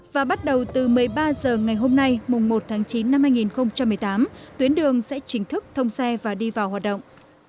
và bắt đầu từ một mươi ba h ngày hôm nay mùng một tháng chín năm hai nghìn một mươi tám tuyến đường sẽ chính thức thông xe và đi vào hoạt động